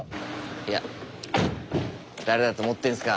いや誰だと思ってんすか。